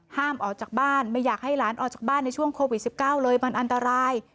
ห้ามออกจากบ้านไม่อยากให้หลานออกจากบ้านในช่วงโควิด๑๙เลยมันอันตราย